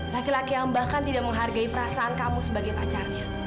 laki laki yang bahkan tidak menghargai perasaan kamu sebagai pacarnya